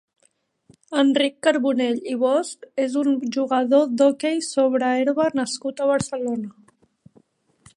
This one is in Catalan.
Enric Carbonell i Bosch és un jugador d'hoquei sobre herba nascut a Barcelona.